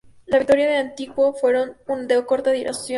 Las victorias de Antíoco fueron de corta duración.